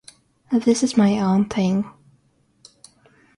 This is my own thing.